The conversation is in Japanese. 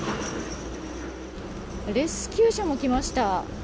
レスキュー車も来ました。